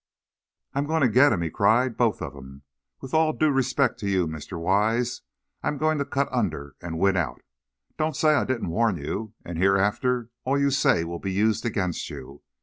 "I'm going to get 'em!" he cried; "both of 'em! With all due respect to you, Mr. Wise, I'm going to cut under and win out! Don't say I didn't warn you, and hereafter all you say will be used against you!